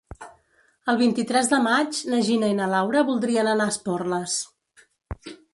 El vint-i-tres de maig na Gina i na Laura voldrien anar a Esporles.